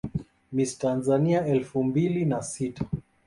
Miss Tanzania elfu mbili na sita